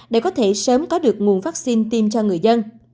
để có thể sớm có được nguồn vaccine tiêm cho người dân